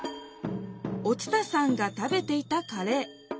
お伝さんが食べていたカレー。